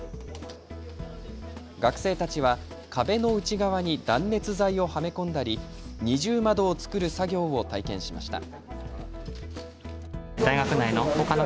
学生たちは壁の内側に断熱材をはめ込んだり二重窓を作る作業を体験しました。